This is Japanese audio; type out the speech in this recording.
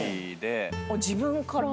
自分から？